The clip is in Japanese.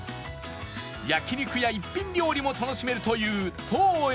焼肉や一品料理も楽しめるという桃園